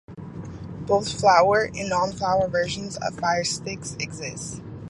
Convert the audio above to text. Both flower and non-flower versions of firesticks exist.